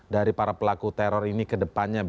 dari para pelaku teror ini ke depannya